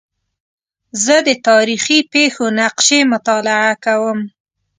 زه د تاریخي پېښو نقشې مطالعه کوم.